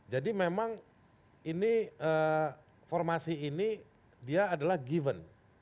jadi memang ini formasi ini dia adalah given